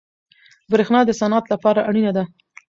برښنا د صنعت لپاره اړینه ده.